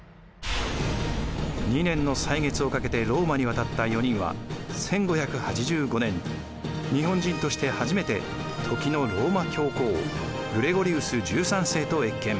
２年の歳月をかけてローマに渡った４人は１５８５年日本人として初めて時のローマ教皇グレゴリウス１３世と謁見。